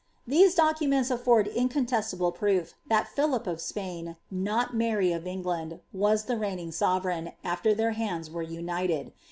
These documents afibrti incontestable proof that Philip of Spain, not Mary of England, was the reigning sovereign, after their hands were united.